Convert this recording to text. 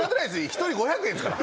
１人５００円ですから。